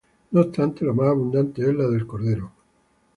No obstante la más abundante es la de cordero.